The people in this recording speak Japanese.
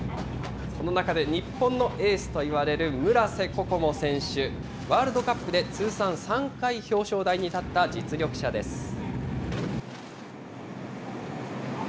その中で日本のエースといわれる村瀬心椛選手。ワールドカップで通算３回表彰台に立った、実力者です。